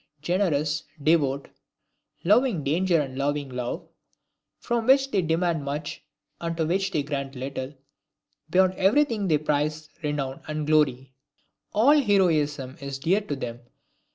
Generous, devout, loving danger and loving love, from which they demand much, and to which they grant little; beyond every thing they prize renown and glory. All heroism is dear to them.